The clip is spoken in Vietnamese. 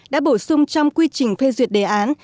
đã bổ sung trong quy trình phê duyệt đề án